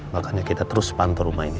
makanya kita terus pantau rumah ini